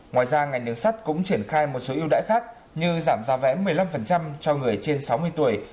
ngoài ra ngành đường sắt cũng triển khai một số yêu đãi khác như giảm giá vé một mươi năm cho người trên sáu mươi tuổi